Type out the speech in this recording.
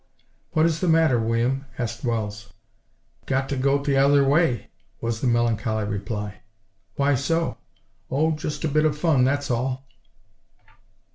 "What is the matter, William?" asked Wells. "Got to go t'other way!" was the melancholy reply. "Why so?" "O, just a bit of—fun—that's all!"